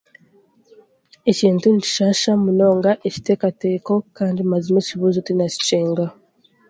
Ekintu nikishaaha munonga ekiteekateeko kandi mazima ekibuuzo tinaakikyenga